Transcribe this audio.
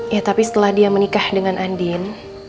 ya tapi setelah dia menikah dengan andin